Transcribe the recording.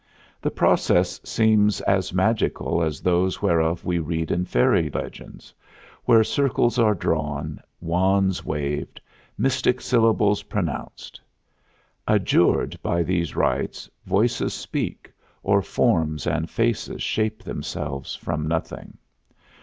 The process seems as magical as those whereof we read in fairy legends, where circles are drawn, wands waved, mystic syllables pronounced. Adjured by these rites, voices speak, or forms and faces shape themselves from nothing.